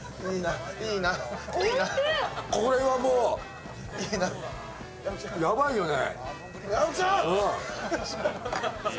これはもうやばいよね。